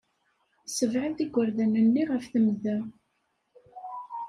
Ssebɛed igerdan-nni ɣef temda.